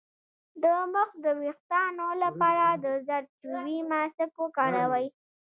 د مخ د ويښتانو لپاره د زردچوبې ماسک وکاروئ